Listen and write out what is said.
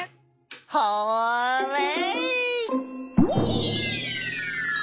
ホーレイ！